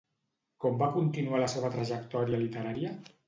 Com va continuar la seva trajectòria literària?